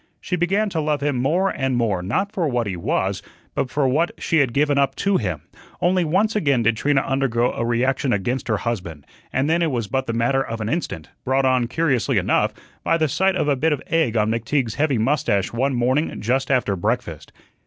She began to love him more and more, not for what he was, but for what she had given up to him. Only once again did Trina undergo a reaction against her husband, and then it was but the matter of an instant, brought on, curiously enough, by the sight of a bit of egg on McTeague's heavy mustache one morning just after breakfast.